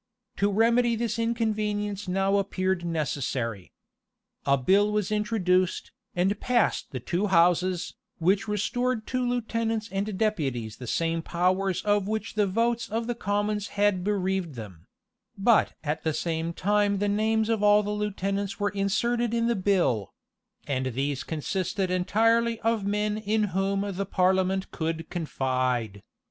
To remedy this inconvenience now appeared necessary. A bill was introduced, and passed the two houses, which restored to lieutenants and deputies the same powers of which the votes of the commons had bereaved them; but at the same time the names of all the lieutenants were inserted in the bill; and these consisted entirely of men in whom the parliament could confide.